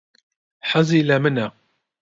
حەزی لە منە؟